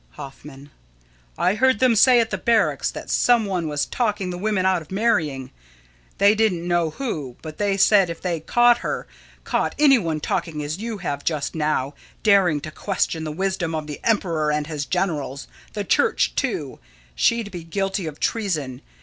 Hoffman: I heard them say at the barracks that some one was talking the women out of marrying. They didn't know who; but they said if they caught her caught any one talking as you have just now, daring to question the wisdom of the emperor and his generals, the church, too, she'd be guilty of treason.